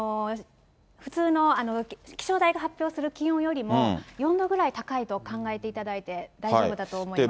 普通の気象台が発表する気温よりも、４度くらい高いと考えていただいて、大丈夫だと思います。